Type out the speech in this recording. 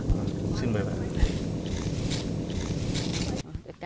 xin mời bà